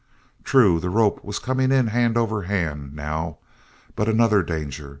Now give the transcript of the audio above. True, the rope was coming in hand over hand, now, but another danger.